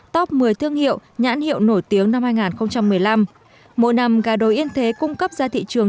top một mươi thương hiệu nhãn hiệu nổi tiếng năm hai nghìn một mươi năm mỗi năm gà đồi yên thế cung cấp ra thị trường